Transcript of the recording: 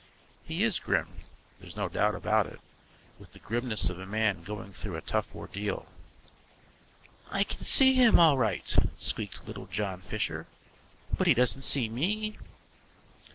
He is grim, there's no doubt about it, with the grimness of a man going through a tough ordeal. "I can see him all right," squeaked little John Fisher, "but he doesn't see me."